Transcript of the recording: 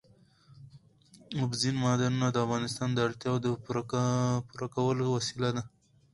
اوبزین معدنونه د افغانانو د اړتیاوو د پوره کولو وسیله ده.